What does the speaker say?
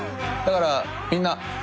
だからみんな。